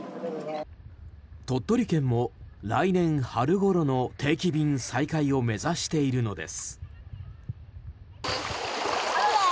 鳥取県も来年春ごろの定期便再開を目指しているのです。